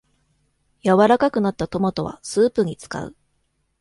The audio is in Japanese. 柔らかくなったトマトはスープに使う